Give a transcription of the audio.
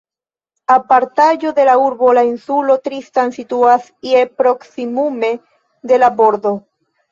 Apartaĵo de la urbo, la insulo Tristan situas je proksimume de la bordo.